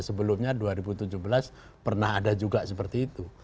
sebelumnya dua ribu tujuh belas pernah ada juga seperti itu